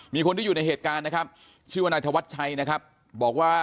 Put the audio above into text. ที่เกิดเกิดเหตุอยู่หมู่๖บ้านน้ำผู้ตะมนต์ทุ่งโพนะครับที่เกิดเกิดเหตุอยู่หมู่๖บ้านน้ำผู้ตะมนต์ทุ่งโพนะครับ